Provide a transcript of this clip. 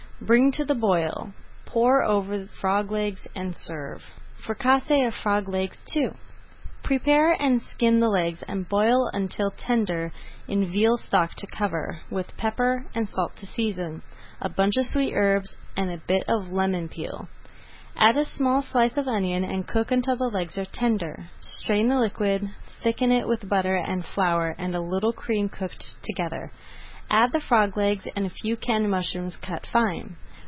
Bring to the boil, pour over the frog legs, and serve. FRICASSÉE OF FROG LEGS II Prepare and skin the legs and boil until tender in veal stock to cover, with pepper and salt to season, a bunch of sweet herbs, and a bit of lemon peel. Add a small slice of onion and cook until the legs are tender. Strain the liquid, thicken it with butter and flour and a little cream cooked together. Add the frog legs and a few canned mushrooms cut fine.